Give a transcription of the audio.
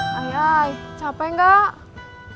hai hai capek gak